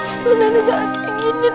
sobri nenek jangan kayak gini nek